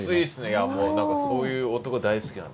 いやもうそういう男大好きなんで。